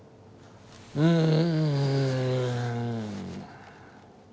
うん。